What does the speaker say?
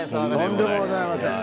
とんでもございません。